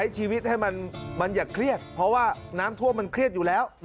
ดีกิต้ากันใหญ่